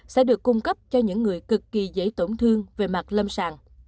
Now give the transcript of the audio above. sẽ được cung cấp cho những người cực kỳ dễ tổn thương về mặt lâm sàng